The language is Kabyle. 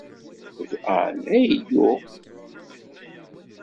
D Ann ay yuɣ.